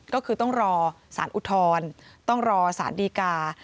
ก็คือต้องรอสารอุทธรณ์ต้องรอสารดีกา